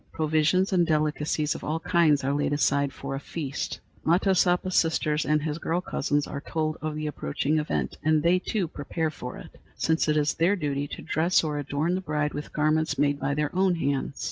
Provisions and delicacies of all kinds are laid aside for a feast. Matosapa's sisters and his girl cousins are told of the approaching event, and they too prepare for it, since it is their duty to dress or adorn the bride with garments made by their own hands.